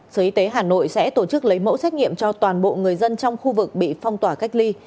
sở y tế hà nội sẽ tổ chức lấy mẫu xét nghiệm cho toàn bộ người dân trong khu vực bị phong tỏa cách ly